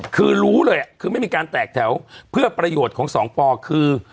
คือรู้เลยคือไม่มีการแตกแถวเพื่อประโยชน์ของสองปอคือ